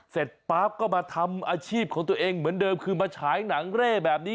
ป๊าบก็มาทำอาชีพของตัวเองเหมือนเดิมคือมาฉายหนังเร่แบบนี้